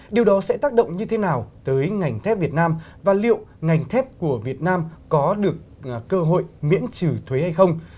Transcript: điều đó sẽ tác động như thế nào tới ngành thép việt nam và liệu ngành thép của việt nam có được cơ hội miễn trừ thuế hay không